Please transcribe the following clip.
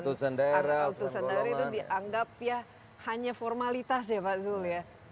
utusan hari itu dianggap ya hanya formalitas ya pak zul ya